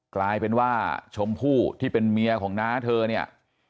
กลายเป็นว่าชมพู่ที่เป็นเมียของน้าเธอเนี่ย